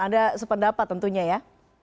ada sependapat tentunya ya